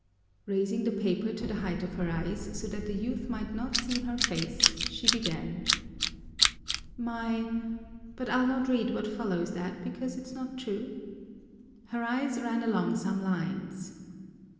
Raising the paper to the height of her eyes so that the youth might not see her face, she began: "'My' but I'll not read what follows that because it's not true." Her eyes ran along some lines.